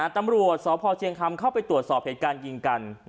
ตำรวจสพเชียงคำเข้าไปตรวจสอบเหตุการณ์ยิงกัน